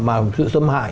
mà sự xâm hại